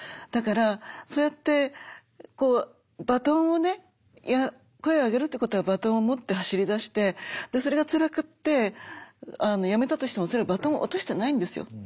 だからそうやってバトンをね声を上げるってことはバトンを持って走りだしてそれがつらくってやめたとしてもそれはバトンを落としてないんですよ。